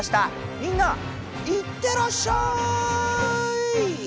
みんないってらっしゃい！